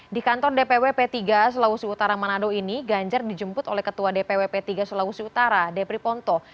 di kantor dpw p tiga sulawesi utara manado ini ganjar dijemput oleh ketua dpw p tiga sulawesi utara debri ponto